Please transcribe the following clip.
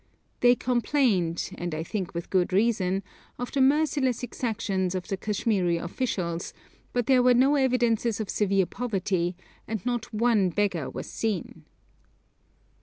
They complained, and I think with good reason, of the merciless exactions of the Kashmiri officials, but there were no evidences of severe poverty, and not one beggar was seen.